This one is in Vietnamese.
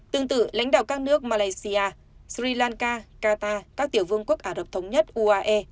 tương tự lãnh đạo các nước malaysia sri lanka qatar các tiểu vương quốc ả rập thống nhất uae